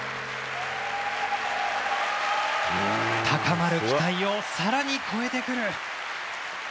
高まる期待を更に超えてくる。